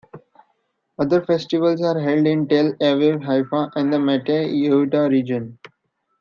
Other festivals are held in Tel Aviv, Haifa and the Mateh Yehuda region.